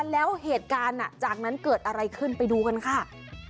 แล้วเหตุการณ์จากนั้นเกิดอะไรขึ้นไปดูกันค่ะ